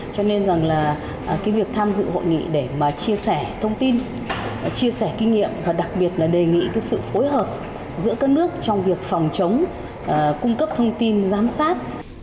trong việc phòng chống cung cấp thông tin giám sát